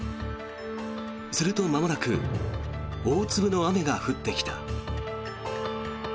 するとまもなく大粒の雨が降ってきた。